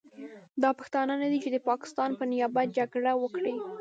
دا پښتانه نه دي چې د پاکستان په نیابت جګړه وکړي.